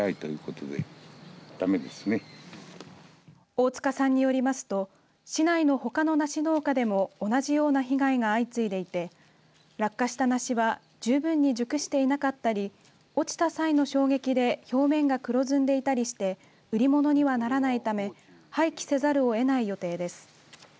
大塚さんによりますと市内のほかの梨農家でも同じような被害が相次いでいて落下した梨は十分に熟していなかったり落ちた際の衝撃で表面が黒ずんでいたりして売り物にはならないため廃棄せざるをえない予定です。